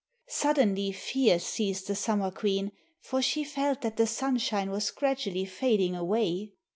Suddenly fear seized the Summer Queen, for she felt that the sunshine was gradually fading away.